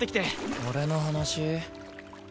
俺の話？